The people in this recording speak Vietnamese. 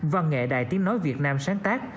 văn nghệ đài tiếng nói việt nam sáng tác